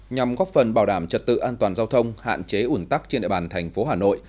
nhằm góp phần bảo đảm trật tự an toàn giao thông hạn chế ủn tắc trên địa bàn thành phố hà nội